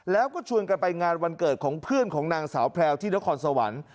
แล้วก็ชวนกันไปงานวันเกิดของเพื่อนของนางสาวแพลวที่นครสวรรค์